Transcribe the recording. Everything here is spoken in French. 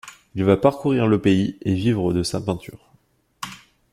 Il va parcourir le pays et vivre de sa peinture.